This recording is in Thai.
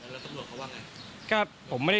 แล้วตำรวจเขาว่าไง